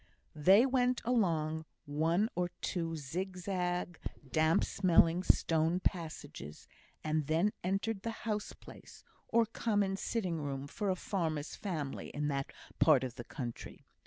They went along one or two zigzag, damp smelling stone passages, and then entered the house place, or common sitting room for a farmer's family in that part of the country.